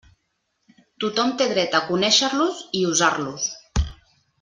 Tothom té dret a conéixer-los i a usar-los.